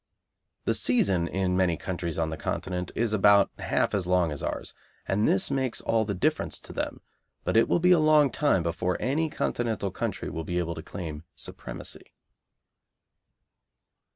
The season in many countries on the Continent is about half as long as ours, and this makes all the difference to them, but it will be a long time before any Continental country will be able to claim supremacy.